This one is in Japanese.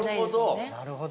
なるほど。